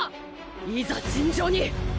いざ尋常に勝負！